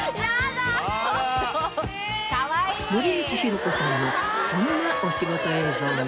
森口博子さんのこんなお仕事映像が。